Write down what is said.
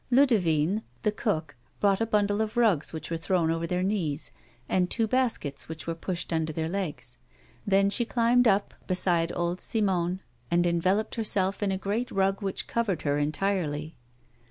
Ludivine, the cook, brought a bundle of rugs which were thrown over their knees, and two baskets which were pushed under their legs ; then she climbed up beside old Simon and enveloped herself in a great rug which covered her entirely.